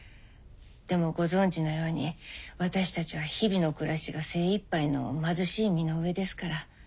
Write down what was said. でもご存じのように私たちは日々の暮らしが精いっぱいの貧しい身の上ですから。